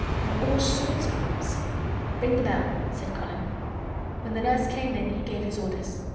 There are all sorts of rooms." "Ring the bell," said Colin. When the nurse came in he gave his orders.